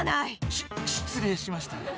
し失礼しました。